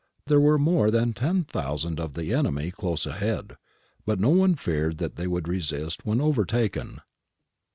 There were more than 10,000 of the enemy close ahead, but no one feared that they would resist when overtaken.